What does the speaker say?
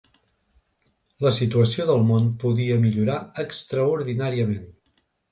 La situació del món podia millorar extraordinàriament